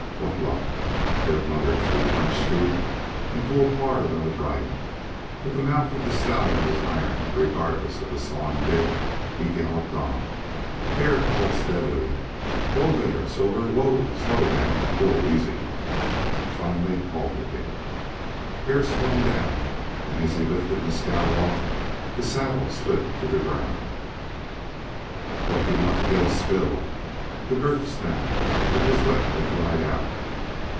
"What luck!" Hare muttered through clinched teeth, and pulled hard on the bridle. But the mouth of the stallion was iron; regardless of the sawing bit, he galloped on. Hare called steadily: "Whoa there, Silver! Whoa slow now whoa easy!" and finally halted him. Hare swung down, and as he lifted Mescal off, the saddle slipped to the ground. "Lucky not to get a spill! The girth snapped. It was wet, and dried out."